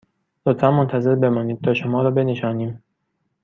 لطفاً منتظر بمانید تا شما را بنشانیم